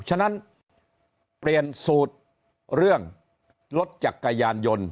ฉะนั้นเปลี่ยนสูตรเรื่องรถจักรยานยนต์